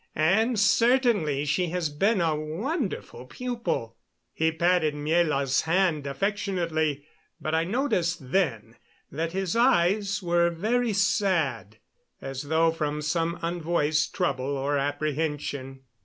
"And certainly she has been a wonderful pupil." He patted Miela's hand affectionately; but I noticed then that his eyes were very sad, as though from some unvoiced trouble or apprehension.